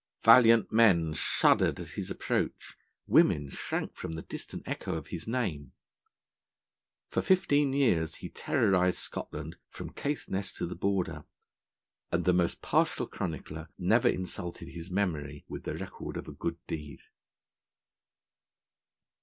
Valiant men shuddered at his approach; women shrank from the distant echo of his name; for fifteen years he terrorised Scotland from Caithness to the border; and the most partial chronicler never insulted his memory with the record of a good deed.